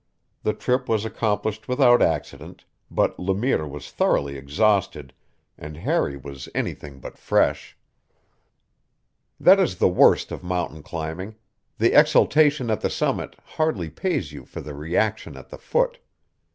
The trip was accomplished without accident, but Le Mire was thoroughly exhausted and Harry was anything but fresh. That is the worst of mountain climbing: the exaltation at the summit hardly pays you for the reaction at the foot.